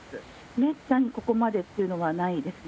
めったにここまでっていうのはないですね。